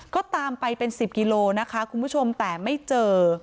ก็ตามไปเป็น๑๐กิโลนะคะคุณผู้ชมแต่ไม่เจอ